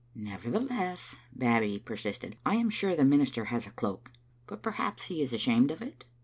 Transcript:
"Nevertheless," Babbie persisted, "I am sure the minister has a cloak ; but perhaps he is ashamed of it.